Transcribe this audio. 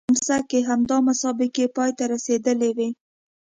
خو په فرانسه کې همدا مسابقې پای ته رسېدلې وې.